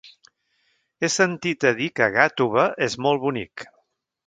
He sentit a dir que Gàtova és molt bonic.